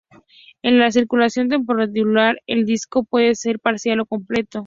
En la articulación temporomandibular, el disco puede ser parcial o completo.